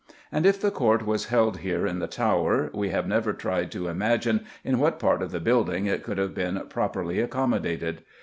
And if the Court was held here in the Tower, we have never tried to imagine in what part of the building it could have been properly accommodated.